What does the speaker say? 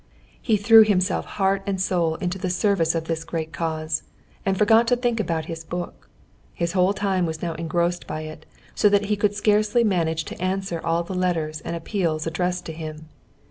He threw himself heart and soul into the service of this great cause, and forgot to think about his book. His whole time now was engrossed by it, so that he could scarcely manage to answer all the letters and appeals addressed to him.